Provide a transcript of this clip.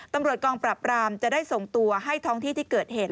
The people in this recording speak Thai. ตำรวจกองปรับรามจะได้ส่งตัวให้ท้องที่ที่เกิดเหตุ